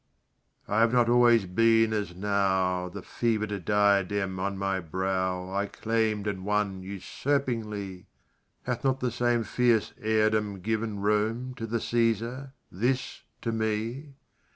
I have not always been as now: The fever'd diadem on my brow I claim'd and won usurpingly Hath not the same fierce heirdom given Rome to the Caesar this to me?